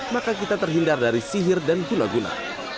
maka kita terhindar dari sihir dan gula guna